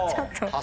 あ！